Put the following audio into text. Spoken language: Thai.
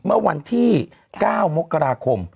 เมื่อวันที่๙มกราคม